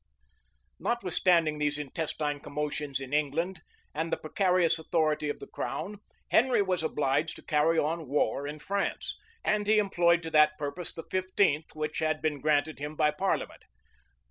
Notwithstanding these intestine commotions in England, and the precarious authority of the crown, Henry was obliged to carry on war in France; and he employed to that purpose the fifteenth which had been granted him by parliament.